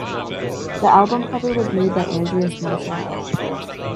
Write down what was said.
The album cover was made by Andreas Marschall.